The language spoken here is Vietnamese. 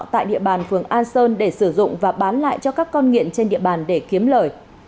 tại địa bàn phường an sơn để sử dụng và bán lại cho các con nghiện trên địa bàn để kiếm lời